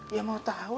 ya mau tau lah papa